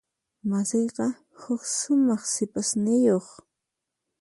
Masiyqa huk sumaq sipasniyuq.